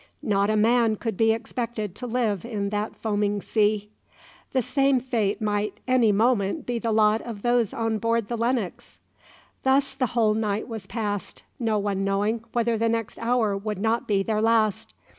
Not a man could be expected to live in that foaming sea. The same fate might any moment be the lot of those on board the "Lennox." Thus the whole night was passed, no one knowing whether the next hour would not be their last.